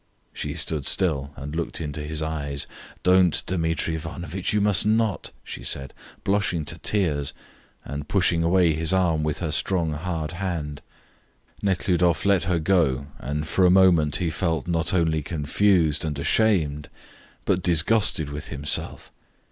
She stood still and looked into his eyes. "Don't, Dmitri Ivanovitch, you must not," she said, blushing to tears and pushing away his arm with her strong hard hand. Nekhludoff let her go, and for a moment he felt not only confused and ashamed but disgusted with himself.